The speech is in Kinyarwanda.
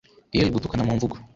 il gutukana mu mvugo